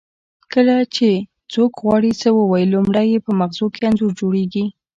کله چې څوک غواړي څه ووایي لومړی یې په مغزو کې انځور جوړیږي